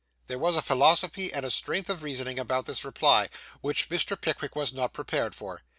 There was a philosophy and a strength of reasoning about this reply, which Mr. Pickwick was not prepared for.